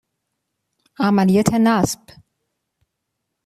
عملیات نصب